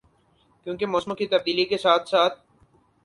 کیونکہ موسموں کی تبدیلی کے ساتھ ساتھ